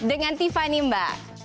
dengan tiffany mbak